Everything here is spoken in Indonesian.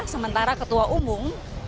sementara ketua umum